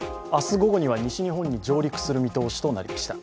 午後には西日本に上陸する見通しとなりました。